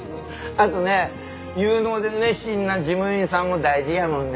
あとね有能で熱心な事務員さんも大事やもんね！